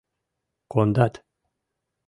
— Кондат.